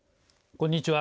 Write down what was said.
こんにちは。